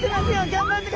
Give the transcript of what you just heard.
頑張って！